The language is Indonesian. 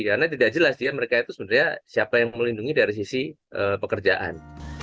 karena tidak jelas dia mereka itu sebenarnya siapa yang melindungi dari sisi pekerjaan